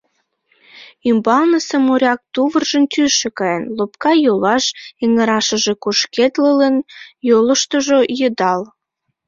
Ӱмбалнысе моряк тувыржын тӱсшӧ каен, лопка йолаш эҥырашыже кушкедлылын, йолыштыжо — йыдал.